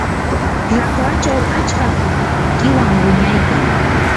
raqrachaw achka qiwan wiñaykan.